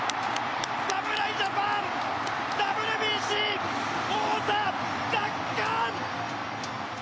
侍ジャパン、ＷＢＣ王座奪還！